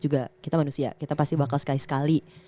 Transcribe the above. juga kita manusia kita pasti bakal sekali sekali